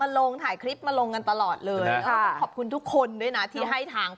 ลงถ่ายคลิปมาลงกันตลอดเลยต้องขอบคุณทุกคนด้วยนะที่ให้ทาง